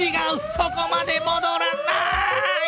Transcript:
そこまでもどらない！